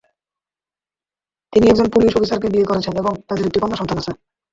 তিনি একজন পুলিশ অফিসারকে বিয়ে করেছেন এবং তাদের একটি কন্যা সন্তান আছে।